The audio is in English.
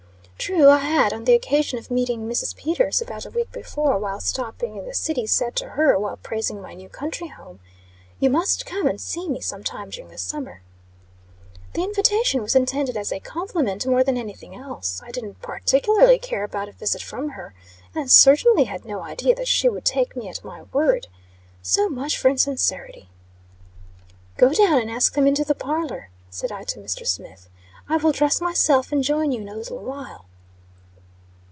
True, I had, on the occasion of meeting Mrs. Peters, about a week before, while stopping in the city, said to her, while praising my new country home: "You must come and see me sometime during the summer." The invitation was intended as a compliment more than anything else. I didn't particularly care about a visit from her; and certainly had no idea that she would take me at my word. So much for insincerity. "Go down and ask them into the parlor," said I to Mr. Smith. "I will dress myself and join you in a little while."